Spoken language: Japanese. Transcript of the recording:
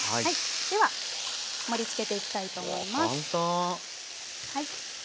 では盛りつけていきたいと思います。